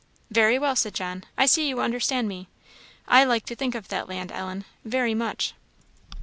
"Very well," said John "I see you understand me. I like to think of that land, Ellen very much."